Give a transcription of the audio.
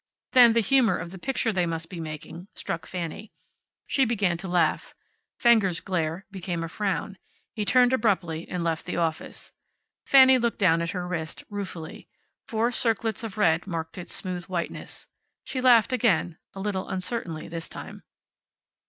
Then the humor of the picture they must be making struck Fanny. She began to laugh. Fenger's glare became a frown. He turned abruptly and left the office. Fanny looked down at her wrist ruefully. Four circlets of red marked its smooth whiteness. She laughed again, a little uncertainly this time.